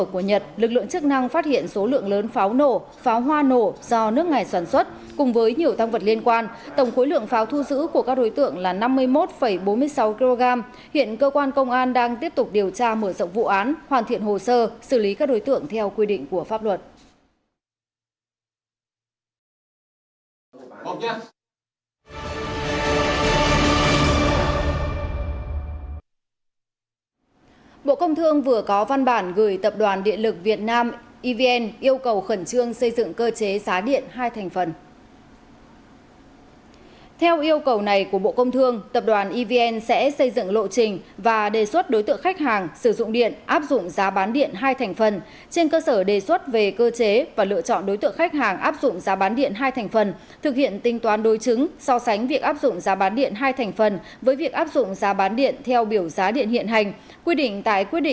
mùa nhật lực lượng chức năng phát hiện số lượng lớn pháo nổ pháo hoa nổ do nước ngoài sản xuất